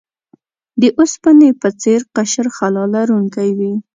د اوسپنې په څیر قشر خلا لرونکی وي.